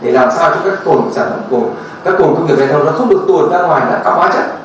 để làm sao cho các cồn sản phẩm cồn các cồn công nghiệp methanol nó không được tuồn ra ngoài là có bá trận